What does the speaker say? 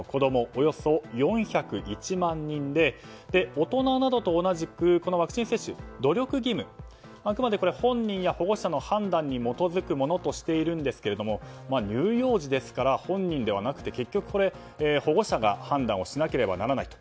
およそ４０１万人で大人などと同じくこのワクチン接種努力義務あくまで本人や保護者の判断に基づくものとしているんですけれども乳幼児ですから、本人ではなくて結局、保護者が判断をしなければならないと。